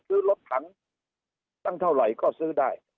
ซื้อรถถังตั้งเท่าไหร่ก็ซื้อได้